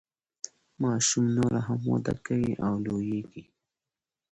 ماشوم نوره هم وده کوي او لوییږي.